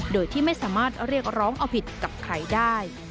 โดยที่ไม่สามารถเรียกร้องเอาผิดกับใครได้